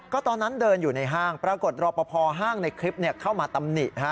ก็ตอนนั้นเดินอยู่ในห้างปรากฏรอปภห้างในคลิปเข้ามาตำหนิ